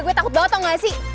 gue takut banget atau gak sih